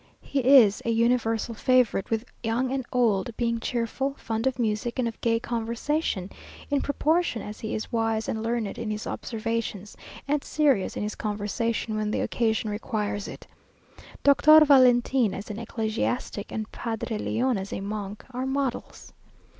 He is a universal favourite with young and old, being cheerful, fond of music, and of gay conversation, in proportion as he is wise and learned in his observations, and serious in his conversation when the occasion requires it. Doctor Valentin as an ecclesiastic, and Padre Leon as a monk, are models.